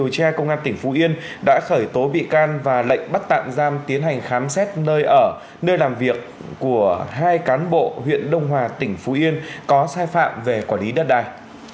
cơ quan cảnh sát điều tra công an tỉnh phú yên đã khởi tố bị can và lệnh bắt tạm giam tiến hành khám xét nơi ở nơi làm việc của hai cán bộ huyện đông hòa tỉnh phú yên có sai phạm về quản lý đất đai